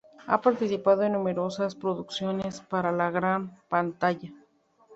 Ha participado en numerosas producciones para la gran pantalla.